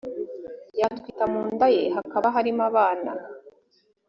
yatwita mu nda ye hakaba harimo abana